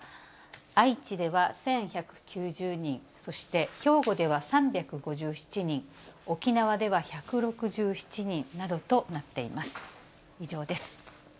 愛知では１１９０人、そして兵庫では３５７人、沖縄では１６７人などとなっています。